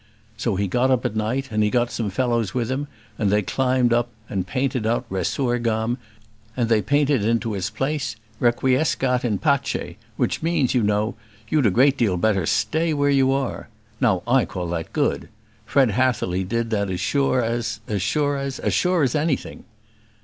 So he got up at night, and he got some fellows with him, and they climbed up and painted out 'Resurgam,' and they painted into its place, 'Requiescat in pace;' which means, you know, 'you'd a great deal better stay where you are.' Now I call that good. Fred Hatherly did that as sure as as sure as as sure as anything."